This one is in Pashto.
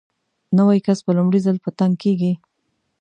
نوی کس په لومړي ځل په تنګ کېږي.